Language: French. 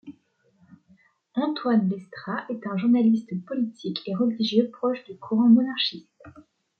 Antoine Lestra est un journaliste politique et religieux proche du courant monarchiste.